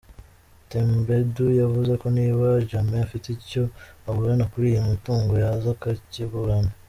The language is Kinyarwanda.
Tambedou, yavuze ko ‘Niba Jammeh afite icyo aburana kuri iyi mitungo yaza akakiburana.